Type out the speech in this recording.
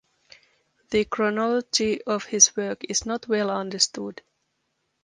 The chronology of his work is not well understood.